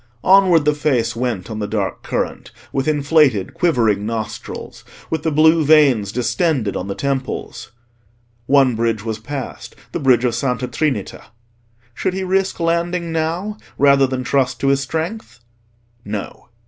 Onward the face went on the dark current, with inflated quivering nostrils, with the blue veins distended on the temples. One bridge was passed—the bridge of Santa Trinita. Should he risk landing now rather than trust to his strength? No.